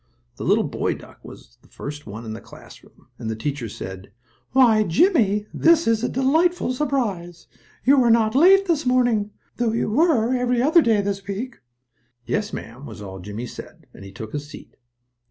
The little boy duck was the first one in the classroom, and the teacher said: "Why, Jimmie, this is a delightful surprise. You are not late this morning, though you were every other day this week." "Yes, ma'am," was all Jimmie said, as he took his seat.